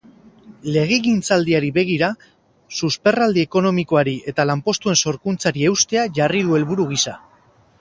Legegintzaldiari begira, susperraldi ekonomikoari eta lanpostuen sorkuntzari eustea jarri du helburu gisa.